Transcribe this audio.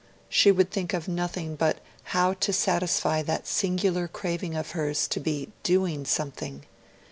She would think of nothing but how to satisfy that singular craving of hers to be DOING something.